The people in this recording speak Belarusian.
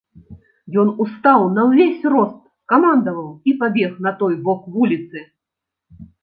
Ён устаў на ўвесь рост, скамандаваў і пабег на той бок вуліцы.